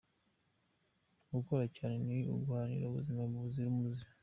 Gukora cyane no guharanira ubuzima buzira umuze.